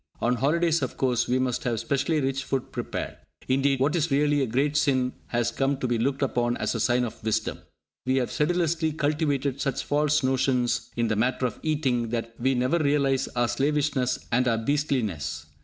On holidays, of course, we must have specially rich food prepared! Indeed, what is really a great sin has come to be looked upon as a sign of wisdom! We have sedulously cultivated such false notions in the matter of eating that we never realise our slavishness and our beastliness.